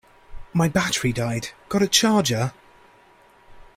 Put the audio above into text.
My battery died, got a charger?